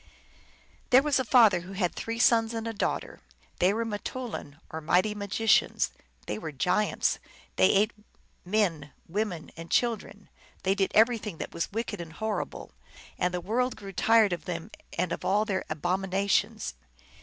There was a father who had three sons and a daughter: they were nittoulin, or mighty magicians ; they were giants ; they ate men, women, and children ; they did everything that was wicked and horrible ; and the world grew tired of them and of all their abomina tions.